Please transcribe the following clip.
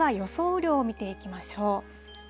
雨量を見ていきましょう。